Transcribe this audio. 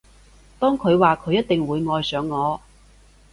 當佢話佢一定會愛上我